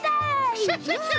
クシャシャシャ！